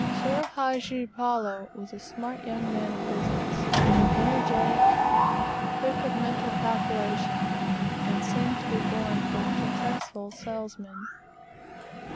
Boor Hadji Palloo was a smart young man of business, energetic, quick at mental calculation, and seemed to be born for a successful salesman.